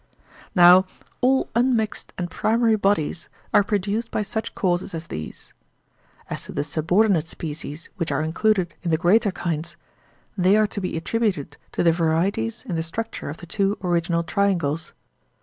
Now all unmixed and primary bodies are produced by such causes as these. As to the subordinate species which are included in the greater kinds, they are to be attributed to the varieties in the structure of the two original triangles.